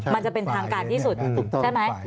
มันจะเป็นทางการที่สุดใช่ไหม